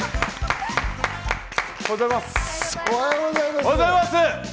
おはようございます。